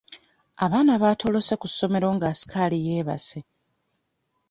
Abaana baatolose ku ssomero nga asikaali yeebase.